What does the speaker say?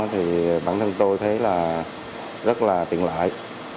thì bản thân tôi thấy là rất là tiện lợi